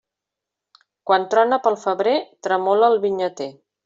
Quan trona pel febrer tremola el vinyater.